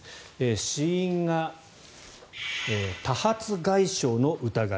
死因が多発外傷の疑い。